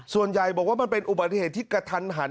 ส่วนใหญ่บอกว่ามันเป็นอุบัติเหตุที่กระทันหัน